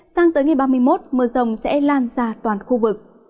sang tới ngày ba mươi một mưa rồng sẽ lan ra toàn khu vực